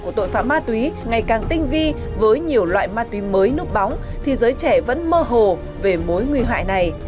của tội phạm ma túy ngày càng tinh vi với nhiều loại ma túy mới núp bóng thì giới trẻ vẫn mơ hồ về mối nguy hại này